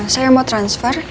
saya mau transfer